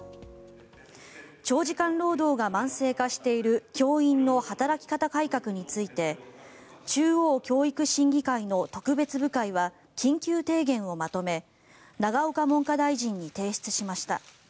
長時間労働が慢性化している教員の働き方改革について中央教育審議会の特別部会は緊急提言をまとめ永岡文科大臣に提出しました。